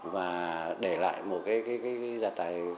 và để lại một cái gia tài